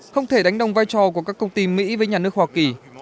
không thể đánh đồng vai trò của các công ty mỹ với nhà nước hoa kỳ